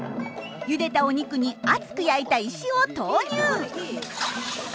ゆでたお肉に熱く焼いた石を投入！